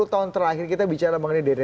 sepuluh tahun terakhir kita bicara mengenai dede